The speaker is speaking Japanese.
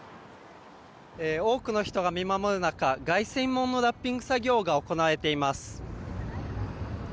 多くの人が見守る中、凱旋門のラッピング作業が行われています。